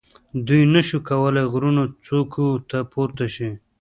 دوی نه شوای کولای غرونو څوکو ته پورته شي.